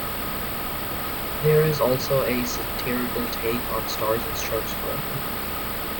There is also a satirical take on Stars and Stripes Forever.